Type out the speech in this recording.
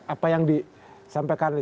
apa yang disampaikan